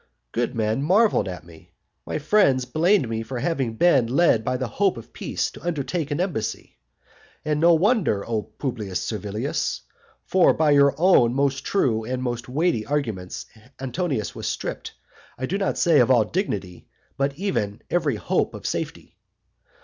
Good men marvelled at me, my friends blamed me for having been led by the hope of peace to undertake an embassy. And no wonder, O Publius Servilius. For by your own most true and most weighty arguments Antonius was stripped, I do not say of all dignity, but of even every hope of safety.